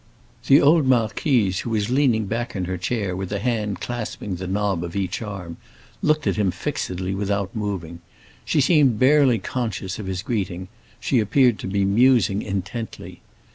The old marquise, who was leaning back in her chair with a hand clasping the knob of each arm, looked at him fixedly without moving. She seemed barely conscious of his greeting; she appeared to be musing intently.